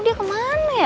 dia ke mana ya